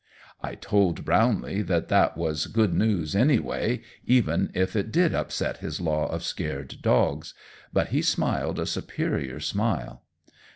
I told Brownlee that that was good news, anyway, even if it did upset his law of scared dogs; but he smiled a superior smile.